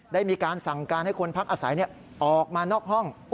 ได้มีการสั่งการให้คนพักอาศัยออกมานอกห้อง